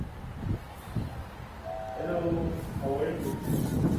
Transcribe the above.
Vanderbilt's offensive coordinator left after one season.